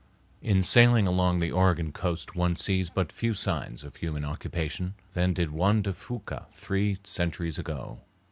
In sailing along the Oregon coast one sees but few more signs of human occupation than did Juan de Fuca three centuries ago.